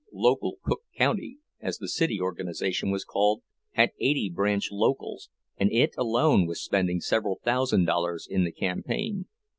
"Local Cook County," as the city organization was called, had eighty branch locals, and it alone was spending several thousand dollars in the campaign.